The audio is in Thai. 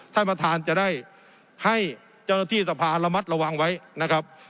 ท่านประธานจะได้ให้เจ้าหน้าที่สภาระมัดระวังไว้นะครับ